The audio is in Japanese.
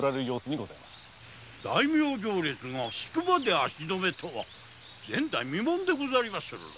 大名行列が宿場で足止めとは前代未聞でござりまするな。